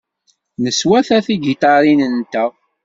Neswata tigiṭarin-nteɣ.